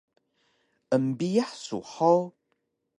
Embiyax su hug?